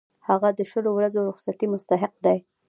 هغه د شلو ورځو رخصتۍ مستحق دی.